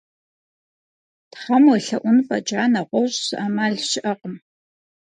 Тхьэм уелъэӀун фӀэкӀа, нэгъуэщӀ зы Ӏэмал щыӏэкъым.